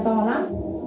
xe to lắm